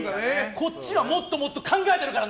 こっちはもっともっと考えてるからな！